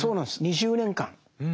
２０年間。